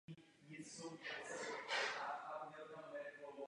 V rámci rodu je uváděno také opylování netopýry.